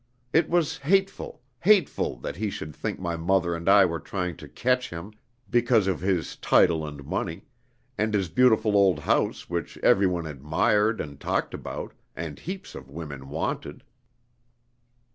It was hateful, hateful that he should think my mother and I were trying to 'catch' him, because of his title and money, and his beautiful old house which every one admired and talked about, and heaps of women wanted.